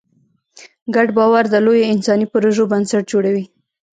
ګډ باور د لویو انساني پروژو بنسټ جوړوي.